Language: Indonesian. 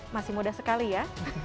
masih muda sekali ya